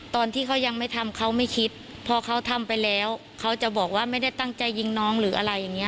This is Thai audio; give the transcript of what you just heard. ตอนที่เขายังไม่ทำเขาไม่คิดพอเขาทำไปแล้วเขาจะบอกว่าไม่ได้ตั้งใจยิงน้องหรืออะไรอย่างนี้